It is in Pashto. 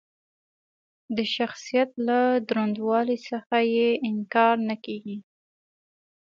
د شخصیت له دروندوالي څخه یې انکار نه کېږي.